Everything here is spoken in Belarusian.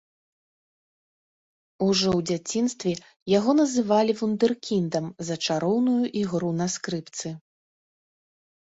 Ужо ў дзяцінстве яго называлі вундэркіндам за чароўную ігру на скрыпцы.